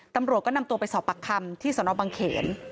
ตำรวจก็นำตัวไปสอบปากคำที่สนบังเขน